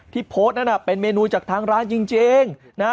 โพสต์นั้นเป็นเมนูจากทางร้านจริงนะ